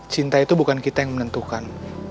cinta itu bukan kita yang menentukan